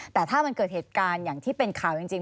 แต่ถ้ามันเกิดเหตุการณ์อย่างที่เป็นข่าวจริง